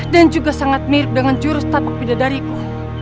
dan juga sangat mirip dengan jurus tapak pindah dariku